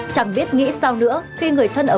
chẳng biết nghĩ sao nữa khi người thân ấm cúng